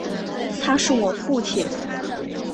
他是我父亲